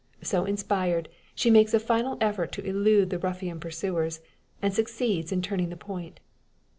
So inspired, she makes a final effort to elude the ruffian pursuers, and succeeds in turning the point.